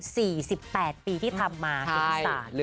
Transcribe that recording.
สี่สิบแปดปีที่ทำมาเกี่ยวงศาล